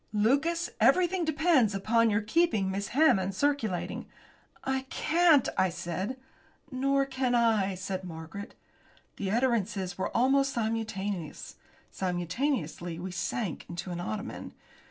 Lucas, everything depends upon your keeping Miss Hammond circulating." "I can't," I said. "Nor can I," said Margaret. The utterances were almost simultaneous. Simultaneously we sank into an ottoman.